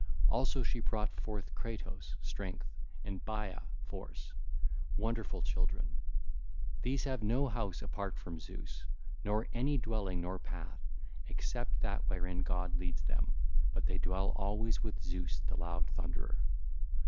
Also she brought forth Cratos (Strength) and Bia (Force), wonderful children. These have no house apart from Zeus, nor any dwelling nor path except that wherein God leads them, but they dwell always with Zeus the loud thunderer.